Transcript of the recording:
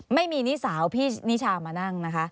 นิสาวพี่นิชามานั่งนะคะ